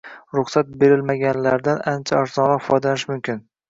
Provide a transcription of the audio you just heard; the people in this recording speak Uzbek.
Ruxsat berilmaganlardan ancha arzonroq foydalanish mumkin